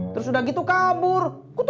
terus udah gitu kabur